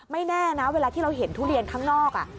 แน่นะเวลาที่เราเห็นทุเรียนข้างนอก